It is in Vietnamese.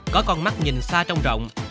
có con mắt nhìn xa trong rộng